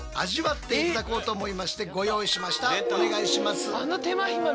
お願いします。